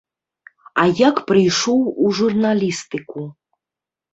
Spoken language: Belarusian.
А як прыйшоў у журналістыку?